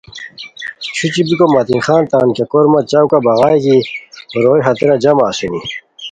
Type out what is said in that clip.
چھوچی بیکو متین خان تان کیہ کورمہ چوکہ بغائے کی روئے ہتیرا جمع اسونی